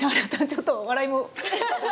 ちょっと笑いも。